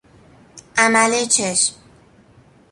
عمل چشم